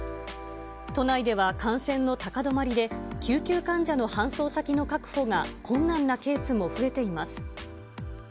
都内では感染の高止まりで救急患者の搬送先の確保が困難なケースも増えています。